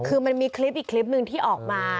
คือมันมีคลิปอีกคลิปหนึ่งที่ออกมา